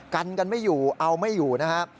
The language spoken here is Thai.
กันกันไม่อยู่เอาไม่อยู่นะฮะ